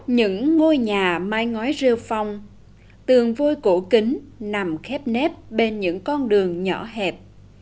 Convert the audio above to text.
những ngôi nhà mái ngói rêu phong tường vôi cổ kính nằm khép nếp bên những con đường nhỏ hẹp